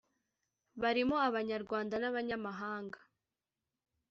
barimo Abanyarwanda n’abanyamahanga.